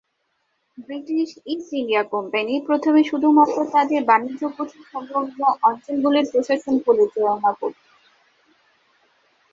British East India Company প্রথমে শুধুমাত্র তাদের বাণিজ্যকুঠি-সংলগ্ন অঞ্চলগুলির প্রশাসন পরিচালনা করত।